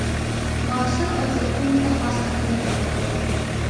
معاصرو ارزښتونو ته خاص اهمیت ورکول.